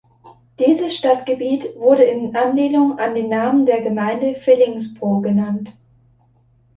Dieses Stadtgebiet wurde in Anlehnung an den Namen der Gemeinde Fellingsbro genannt.